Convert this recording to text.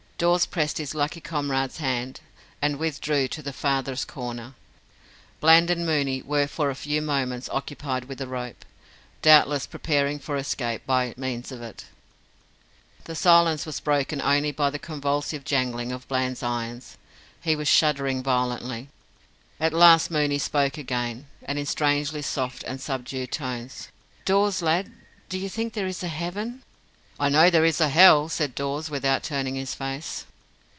Dawes pressed his lucky comrade's hand, and withdrew to the farthest corner. Bland and Mooney were for a few moments occupied with the rope doubtless preparing for escape by means of it. The silence was broken only by the convulsive jangling of Bland's irons he was shuddering violently. At last Mooney spoke again, in strangely soft and subdued tones. "Dawes, lad, do you think there is a Heaven?" "I know there is a Hell," said Dawes, without turning his face.